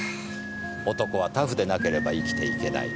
男はタフでなければ生きていけない。